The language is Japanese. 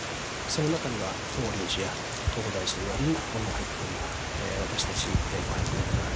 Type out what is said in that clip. その中には法隆寺や東大寺といわれるものも入っており私たち５００年間